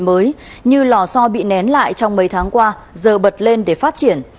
điều kiện mới như lò so bị nén lại trong mấy tháng qua giờ bật lên để phát triển